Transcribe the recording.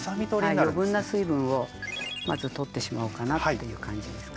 はい余分な水分をまず取ってしまおうかなっていう感じですかね。